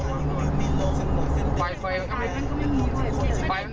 รีบไปไหนอ่ะอ่ะน่าจะเบามากนึง